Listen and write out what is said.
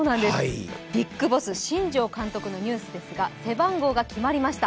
ビッグボス・新庄監督のニュースですが、背番号が決まりました。